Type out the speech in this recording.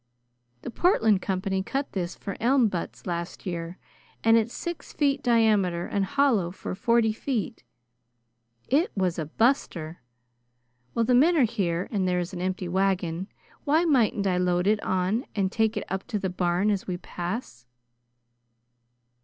The Portland company cut this for elm butts last year, and it's six feet diameter and hollow for forty feet. It was a buster! While the men are here and there is an empty wagon, why mightn't I load it on and tak' it up to the barn as we pass?"